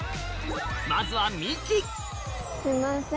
まずはみきすいません。